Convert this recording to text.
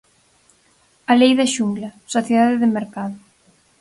A lei da xungla: sociedade de mercado.